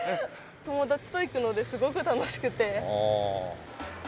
友達と行くのですごく楽しくて。